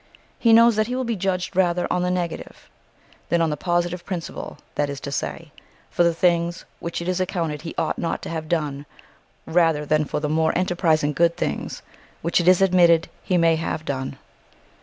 He knows that he will be judged rather on the negative than on the positive principle, that is to say, for the things which it is accounted he ought not to have done rather than for the more enterprising good things which it is admitted he may have done.